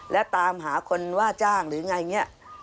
และตามหาคนว่าจ้างหรืออย่างไรอย่างนี้